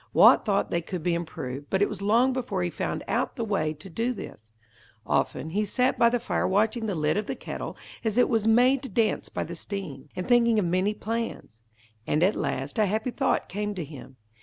Watt thought they could be improved, but it was long before he found out the way to do this. Often, he sat by the fire watching the lid of the kettle as it was made to dance by the steam, and thinking of many plans; and at last a happy thought came to him.